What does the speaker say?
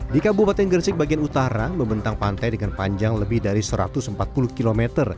di kabupaten gresik bagian utara membentang pantai dengan panjang lebih dari satu ratus empat puluh km